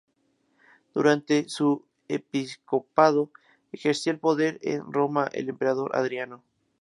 Durante su episcopado, ejercía el poder en Roma el emperador Adriano.